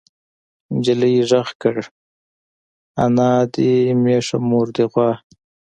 نجلۍ غږ کړ نيا دې مېښه مور دې غوا.